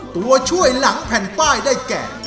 ตัวช่วยหลังแผ่นป้ายได้แก่